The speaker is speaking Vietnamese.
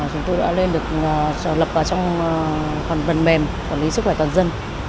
chúng tôi đã lập vào trong phần mềm quản lý sức khỏe toàn dân